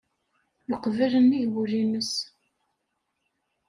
Yeqbel nnig wul-nnes.